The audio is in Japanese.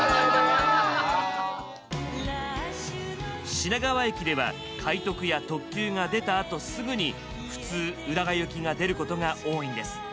品川駅では快特や特急が出たあとすぐに普通浦賀行きが出ることが多いんです。